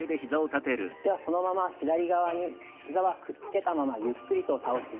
ではそのまま左側にひざはくっつけたままゆっくりと倒していってください。